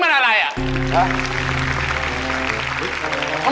ถ้าคุณรักจริง๊ะ